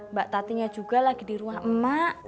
mbak tatinya juga lagi di rumah emak